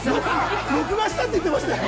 録画したって言ってましたよ。